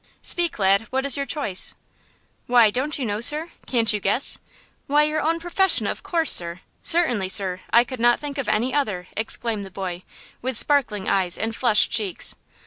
"Speak, lad; what is your choice?" "Why, don't you know, sir? Can't you guess? Why, your own profession, of course, sir! certainly, sir, I could not think of any other!" exclaimed the boy, with sparkling eyes and flushed cheeks.